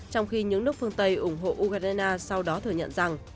trong khi những nước phương tây ủng hộ ukraine sau đó thừa nhận rằng